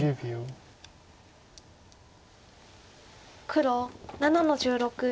黒７の十六。